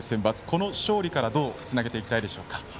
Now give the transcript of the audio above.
この勝利からどうつなげていきたいですか？